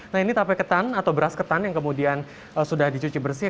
nah ini tape ketan atau beras ketan yang kemudian sudah dicuci bersih